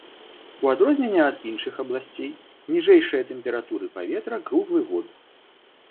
У адрозненне ад іншых абласцей ніжэйшыя тэмпературы паветра круглы год.